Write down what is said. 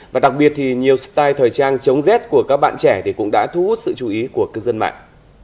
và đặc biệt thì nhiều style thời trang chống rét của các bạn trẻ cũng đã thu hút sự chú ý của cư dân mạng